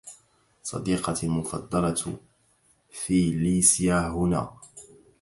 صديقتي المفضّلة فيليسيا هنا.